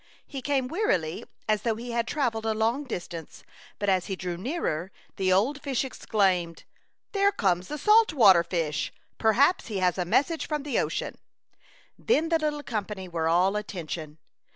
He came wearily, as though he had travelled a long distance, but as he drew nearer, the old fish exclaimed, " There comes a salt water fish ! per haps he has a message from the ocean/' Then the little company were all attention.